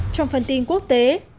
trong phần tin quốc tế